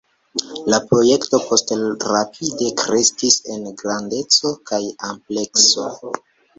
La projekto poste rapide kreskis en grandeco kaj amplekso.